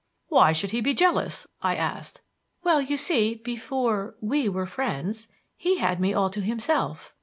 "Why should he be jealous?" I asked. "Well, you see, before we were friends, he had me all to himself.